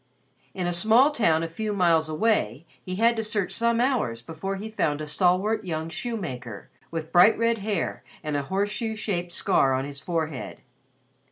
In a small town a few miles away he had to search some hours before he found a stalwart young shoemaker with bright red hair and a horseshoe shaped scar on his forehead.